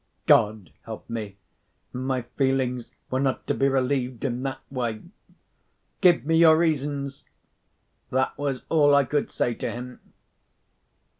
God help me! my feelings were not to be relieved in that way. "Give me your reasons!" That was all I could say to him.